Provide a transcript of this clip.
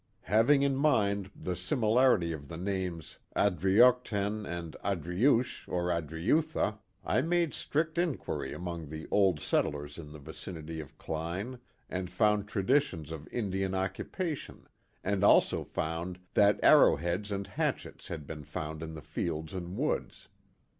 Having in mind the similarity of the names Adriochten and Adriuche, or Adriutha, I made strict inquiry among the old settlers in the vicinity of Kline, and found traditions of Indian occupation, and also found that arrowheads and hatchets had been found in the fields and woods.